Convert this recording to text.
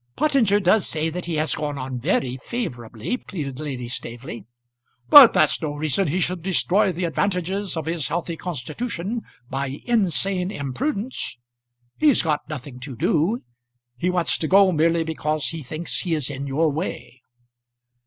"Pottinger does say that it has gone on very favourably," pleaded Lady Staveley. "But that's no reason he should destroy the advantages of his healthy constitution by insane imprudence. He's got nothing to do. He wants to go merely because he thinks he is in your way."